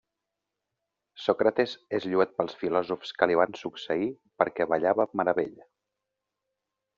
Sòcrates és lloat pels filòsofs que li van succeir perquè ballava amb meravella.